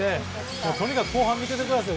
とにかく後半、見ててください。